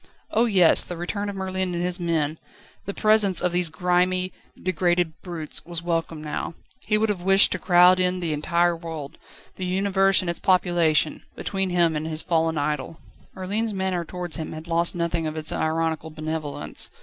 Oh yes; the return of Merlin and his men, the presence of these grimy, degraded brutes, was welcome now. He would have wished to crowd in the entire world, the universe and its population, between him and his fallen idol. Merlin's manner towards him had lost nothing of its ironical benevolence.